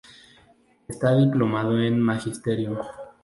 Está diplomado en Magisterio.